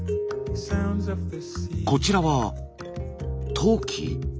こちらは陶器？